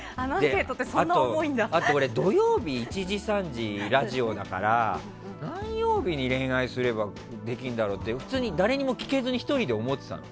あと俺、土曜日１時３時でラジオだから何曜日に恋愛すればできるんだろうって普通に誰にも聞けずに思ってたの。